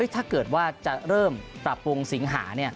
ถ้าเกิดว่าจะเริ่มปรับปรุงสิงหา